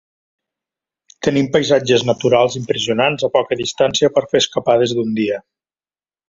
Tenim paisatges naturals impressionants a poca distància per fer escapades d'un dia.